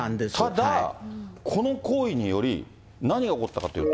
ただ、この行為により何が起こったかというと。